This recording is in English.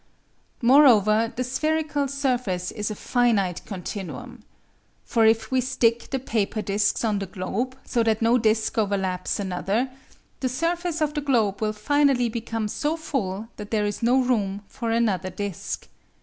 Moreover, the spherical surface is a finite continuum. For if we stick the paper discs on the globe, so that no disc overlaps another, the surface of the globe will finally become so full that there is no room for another disc.